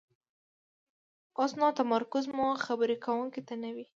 اوسو نو تمرکز مو خبرې کوونکي ته نه وي،